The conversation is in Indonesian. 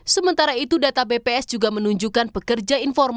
sementara itu data bps juga menunjukkan pekerja informal